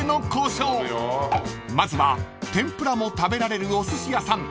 ［まずは天ぷらも食べられるおすし屋さん